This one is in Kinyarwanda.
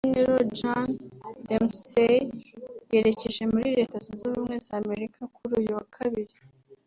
General Gen Dempsey yerekeje muri Leta Zunze Ubumwe z’Amerika kuri uyu wa Kabiri